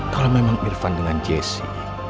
kalau memang irfan dengan jesse